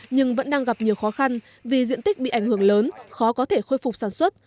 nhưng vẫn đang gặp nhiều khó khăn vì diện tích bị ảnh hưởng lớn khó có thể khôi phục sản xuất